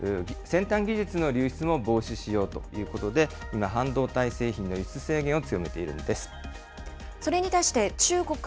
さらに、軍事転用のおそれのある先端技術の流出も防止しようということで、今、半導体製品の輸出制限を強めているんです。